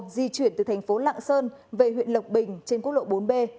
di chuyển từ thành phố lạng sơn về huyện lộc bình trên quốc lộ bốn b